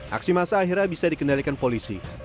aksi masa akhirnya bisa dikendalikan polisi